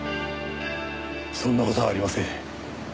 そんな事はありません。